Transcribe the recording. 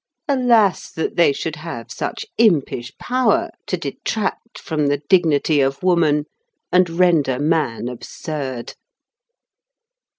Alas! that they should have such impish power to detract from the dignity of woman and render man absurd.